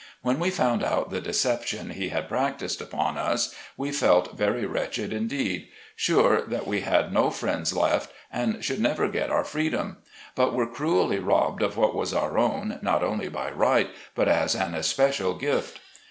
When we found out the deception he had practiced upon us, we felt very wretched indeed — sure that we had no friend left, and should never get our freedom, but were cruelly robbed of what was our own, not only by right, but as an especial gift.